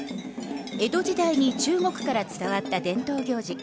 江戸時代に中国から伝わった伝統行事。